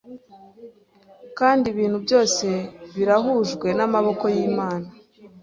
Kandi ibintu byose birahujwe namaboko yimana